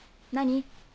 何？